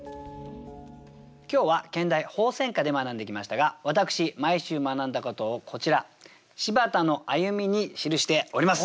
今日は兼題「鳳仙花」で学んできましたが私毎週学んだことをこちら「柴田の歩み」に記しております。